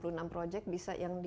kekal setengah jenis jembatan ini